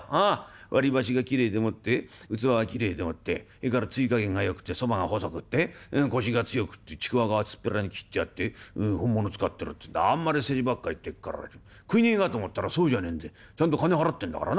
割り箸がきれいでもって器がきれいでもってそれからつゆ加減がよくてそばが細くって腰が強くってちくわが厚っぺらに切ってあって本物使ってるってんであんまり世辞ばっか言ってっから食い逃げかと思ったらそうじゃねえんだよちゃんと金払ってんだからな。